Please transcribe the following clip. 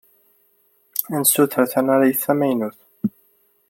Ad nessuter tanarit tamaynut.